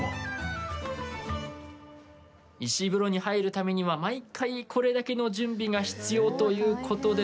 石風呂に入るためには毎回これだけの準備が必要ということでですね